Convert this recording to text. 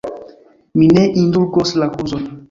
Mi ne indulgos la kuzon!